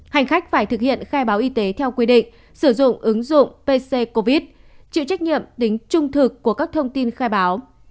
hành khách phải thực hiện khai báo y tế theo quy định sử dụng ứng dụng pc covid chịu trách nhiệm tính trung thực của các thông tin khai báo